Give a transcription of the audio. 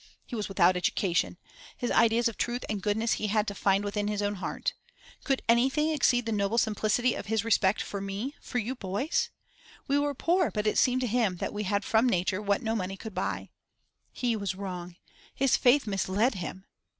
He was without education; his ideas of truth and goodness he had to find within his own heart. Could anything exceed the noble simplicity of his respect for me, for you boys? We were poor, but it seemed to him that we had from nature what no money could buy. He was wrong; his faith misled him.